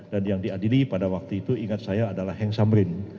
dan yang diadili pada waktu itu ingat saya adalah heng samrin